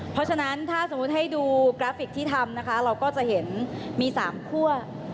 เพราะฉะนั้นถ้าสมมุติให้ดูกราฟิกที่ทำนะคะเราก็จะเห็นมี๓คั่ว